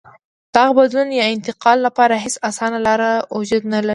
دغه بدلون یا انتقال لپاره هېڅ اسانه لار وجود نه لري.